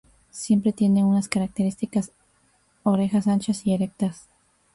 Siempre tiene unas características orejas anchas y erectas.